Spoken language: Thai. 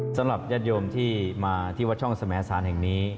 สำหรับญาติโยมที่มาที่วัดช่องสมสารแห่งนี้